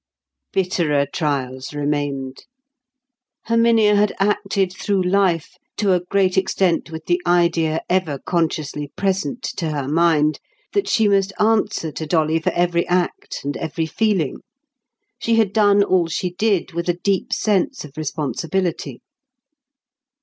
Bitterer trials remained. Herminia had acted through life to a great extent with the idea ever consciously present to her mind that she must answer to Dolly for every act and every feeling. She had done all she did with a deep sense of responsibility.